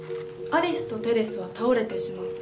アリスとテレスは倒れてしまう。